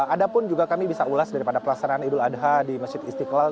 ada pun juga kami bisa ulas daripada pelaksanaan idul adha di masjid istiqlal